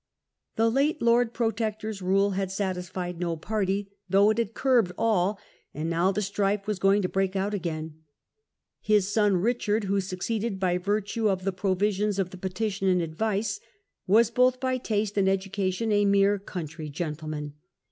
The late Lord Protector's rule had satisfied no party, though it had curbed all : and now the strife was going to break out again. His son Richard, who Richard's succeeded by virtue of the provisions of the short "Petition and Advice", was both by taste and p~^«^«*°"*« education a mere country gentleman.